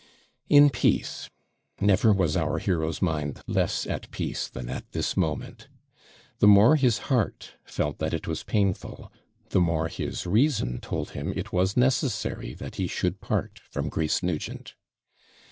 In peace! Never was our hero's mind less at peace than at this moment. The more his heart felt that it was painful, the more his reason told him it was necessary that he should part from Grace Nugent.